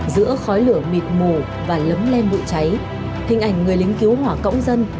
giữa khói lửa mịt mù và lấm lem bụi cháy hình ảnh người lính cứu hỏa cõng dân